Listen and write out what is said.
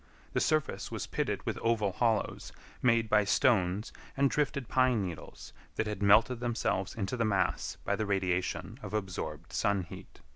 The surface was pitted with oval hollows, made by stones and drifted pine needles that had melted themselves into the mass by the radiation of absorbed sun heat.